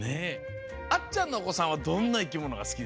あっちゃんのおこさんはどんないきものがすきですか？